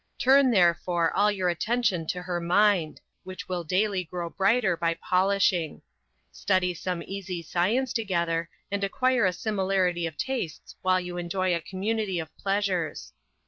Turn therefore all your attention to her mind, which will daily grow brighter by polishing. Study some easy science together, and acquire a similarity of tastes while you enjoy a community of pleasures.